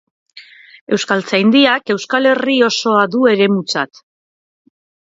Euskaltzaindiak Euskal Herri osoa du eremutzat.